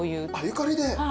ゆかりで。